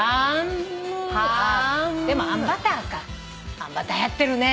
あんバターはやってるね。